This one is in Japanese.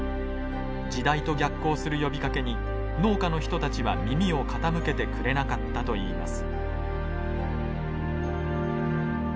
時代と逆行する呼びかけに農家の人たちは耳を傾けてくれなかったといいます。